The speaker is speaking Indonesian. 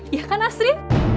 iya kan asri